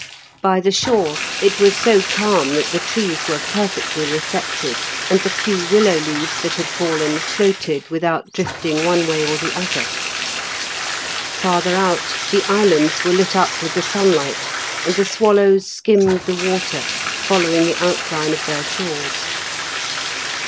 By the shore it was so calm that the trees were perfectly reflected, and the few willow leaves that had fallen floated without drifting one way or the other. Farther out the islands were lit up with the sunlight, and the swallows skimmed the water, following the outline of their shores.